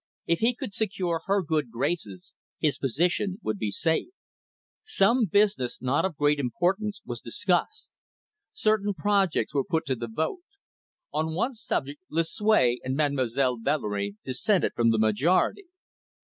If he could secure her good graces, his position would be safe. Some business, not of great importance, was discussed. Certain projects were put to the vote. On one subject, Lucue and Mademoiselle Valerie dissented from the majority.